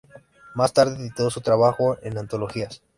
Más tarde editó su trabajo en antologías.